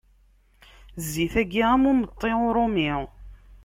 Zzit-agi, am umeṭṭi uṛumi.